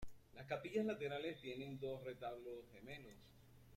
Las capillas laterales tienen dos retablos gemelos.